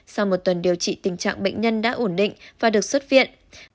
sau một tuần điều trị tình trạng bệnh nhân đã ổn định và được xuất viện